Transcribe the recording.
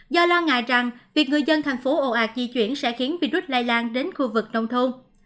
do lo ngại rằng việc người dân thành phố ồ ạc di chuyển sẽ khiến virus lây lan đến khu vực nông thôn